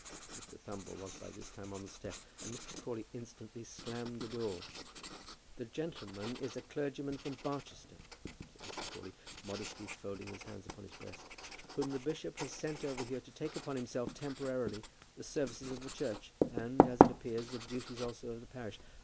Mr. Thumble was by this time on the step, and Mr. Crawley instantly slammed the door. "The gentleman is a clergyman from Barchester," said Mr. Crawley, modestly folding his hands upon his breast, "whom the bishop has sent over here to take upon himself temporarily the services of the church, and, as it appears, the duties also of the parish.